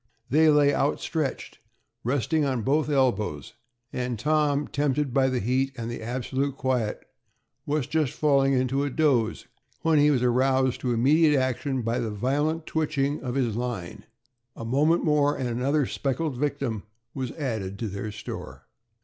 They lay outstretched, resting on both elbows, and Tom, tempted by the heat and the absolute quiet, was just falling into a doze, when he was aroused to immediate action by the violent twitching of his line. A moment more, and another speckled victim was added to their store.